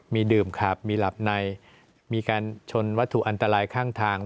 มีดื่มขับมีหลับในมีการชนวัตถุอันตรายข้างทาง